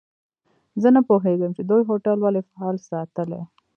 زه نه پوهیږم چي دوی هوټل ولي فعال ساتلی.